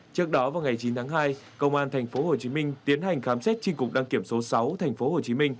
trước đó vào ngày chín tháng hai công an tp hcm tiến hành khám xét tri cục đăng kiểm số sáu tp hcm